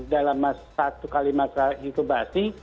dalam satu kalimatra inkubasi